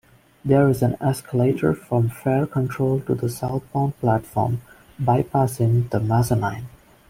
There is an escalator from fare control to the southbound platform, bypassing the mezzanine.